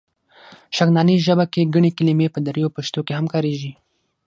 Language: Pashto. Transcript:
شغناني ژبه کې ګڼې کلمې په دري او پښتو کې هم کارېږي.